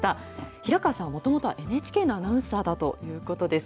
平川さん、もともとはＮＨＫのアナウンサーだということです。